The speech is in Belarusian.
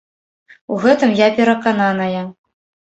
У гэтым я перакананая.